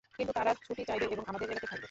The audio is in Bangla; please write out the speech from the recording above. কিন্তু তারা ছুটি চাইবে এবং আমাদের এড়াতে থাকবে!